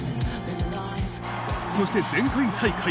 そして前回大会。